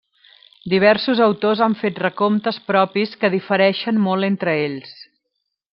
Diversos autors han fet recomptes propis que difereixen molt entre ells.